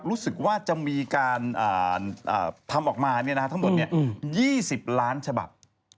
รู้สึกว่าจะมีการทำออกมาทั้งหมด๒๐ล้านฉบับ